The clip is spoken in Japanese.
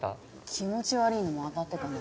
気持ち悪ぃのも当たってたな。